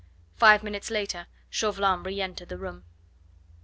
Five minutes later Chauvelin re entered the room.